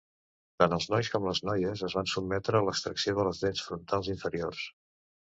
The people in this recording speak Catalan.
Tant els nois com les noies es van sotmetre a l'extracció de les dents frontals inferiors.